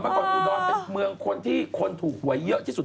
ก่อนอุดรเป็นเมืองคนที่คนถูกหวยเยอะที่สุด